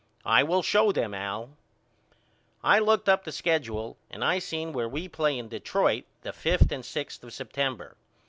I will show them Al. I looked up the skedule and I seen where we play in Detroit the fifth and sixth of September.